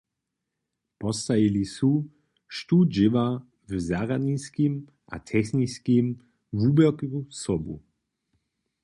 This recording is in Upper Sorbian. Postajili su, štó dźěła w zarjadniskim a techniskim wuběrku sobu.